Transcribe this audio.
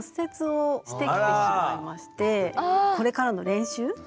これからの練習。